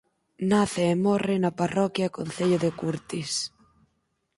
Nace e morre na parroquia e concello de Curtis.